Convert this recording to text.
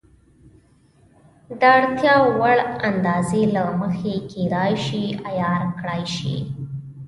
د اړتیا وړ اندازې له مخې کېدای شي عیار کړای شي.